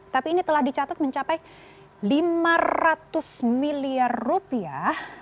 tapi ini telah dicatat mencapai lima ratus miliar rupiah